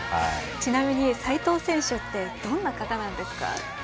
ちなみに齋藤選手どんな方なんですか。